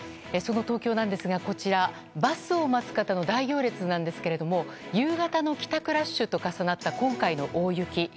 その東京なんですがこちら、バスを待つ方の大行列なんですけども夕方の帰宅ラッシュと重なった今回の大雪。